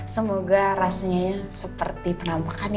semoga rasenya seperti pernah makan